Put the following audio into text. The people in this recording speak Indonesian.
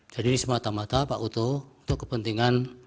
jadi ini semata mata pak uto untuk kepentingan